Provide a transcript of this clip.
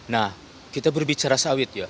nah kita berbicara sawit ya